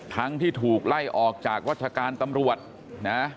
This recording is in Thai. ทั้งที่ถูกไล่ออกจากราชการตำรวจนะ